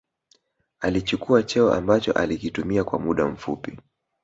alichukua cheo ambacho alikitumia kwa muda mfupi